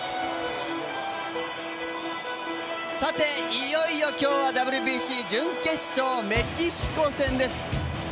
いよいよ今日はＷＢＣ準決勝、メキシコ戦です。